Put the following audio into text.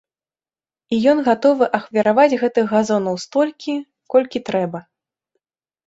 І ён гатовы ахвяраваць гэтых газонаў столькі, колькі трэба.